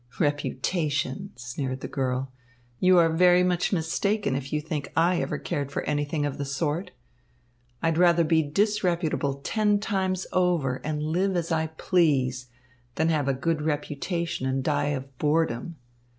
"Reputation!" sneered the girl. "You are very much mistaken if you think I ever cared for anything of the sort. I'd rather be disreputable ten times over and live as I please, than have a good reputation and die of boredom.